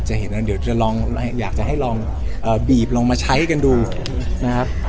เดี๋ยวจะลองอยากจะให้ลองบีบลองมาใช้กันดูนะครับ